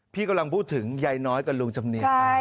พี่กำลังพูดถึงยายน้อยกับลุงจำเนียน